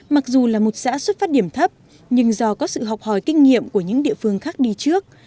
mặc dù là một xã xuất phát điểm thấp nhưng do có sự học hỏi kinh nghiệm của những địa phương khác đi trước